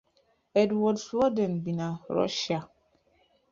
Edward Snowden bi na Rushịa